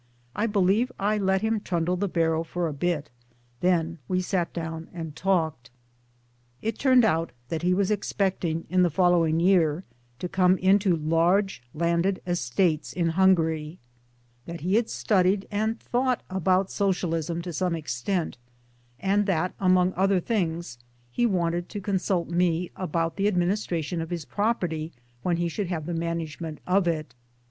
I believe I let him trundle the barrow for a bit ; then we sat down and talked. It turned out that he was expecting in the follow ing year to come into large landed estates in Hungary ; that he had studied and thought about 269 [2 MY DAYS AND DREAMS Socialism to some extent ; and that among other things he wanted to consult me about the administra tion of his property when he should have the manage ment of it.